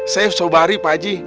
saya sobari pak haji